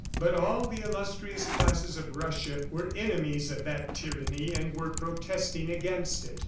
But all the illustrious classes of Russia were enemies of that tyranny and were protesting against it.